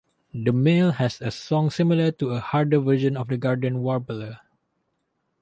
The male has a song similar to a harder version of the garden warbler.